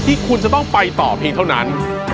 ที่คุณจะต้องไปต่อเพียงเท่านั้น